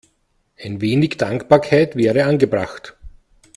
Ein wenig Dankbarkeit wäre angebracht.